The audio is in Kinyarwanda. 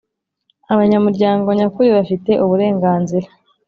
Abanyamuryango nyakuri bafite uburenganzira